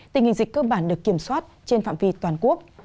tình hình dịch cơ bản được kiểm soát trên phạm vi toàn quốc